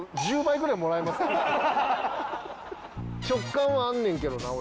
直感はあんねんけどな俺。